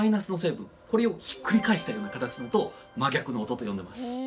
これをひっくり返したような形の音を「真逆の音」と呼んでます。